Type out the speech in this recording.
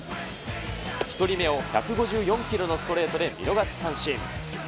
１人目を１５４キロのストレートで見逃し三振。